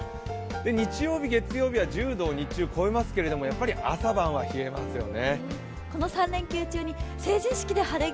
日曜日、月曜日は日中、１０度を超えますけどやっぱり朝晩は冷えますよね。